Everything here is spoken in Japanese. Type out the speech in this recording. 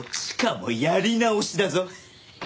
しかもやり直しだぞ。